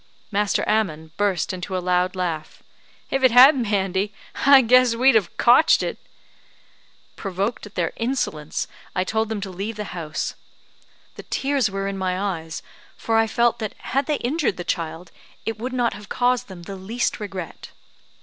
Master Ammon burst into a loud laugh. "If it had, Mandy, I guess we'd have cotched it." Provoked at their insolence, I told them to leave the house. The tears were in my eyes, for I felt that had they injured the child, it would not have caused them the least regret.